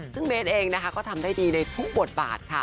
ซึ่งเบสเองนะคะก็ทำได้ดีในทุกบทบาทค่ะ